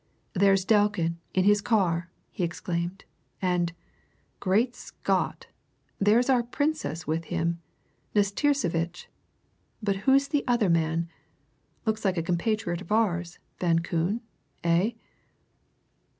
"There's Delkin, in his car," he exclaimed, "and, great Scott, there's our Princess with him Nastirsevitch! But who's the other man? Looks like a compatriot of ours, Van Koon, eh?"